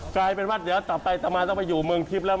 กายเป็นว่าต่อไปต้องไปอยู่เมืองทริปแล้วมั้ยคะ